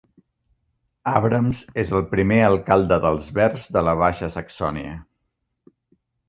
Abrahms és el primer alcalde dels Verds de la Baixa Saxònia.